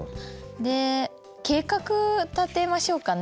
で計画立てましょうかね。